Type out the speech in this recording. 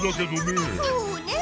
そうねえ。